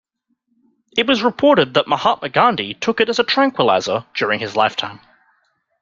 It was reported that Mahatma Gandhi took it as a tranquilizer during his lifetime.